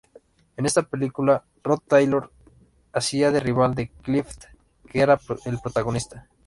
En esta película Rod Taylor hacía de rival de Clift, que era el protagonista.